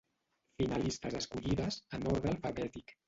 Finalistes escollides, en ordre alfabètic.